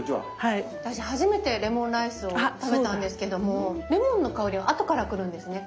私初めてレモンライスを食べたんですけどもレモンの香りは後から来るんですね。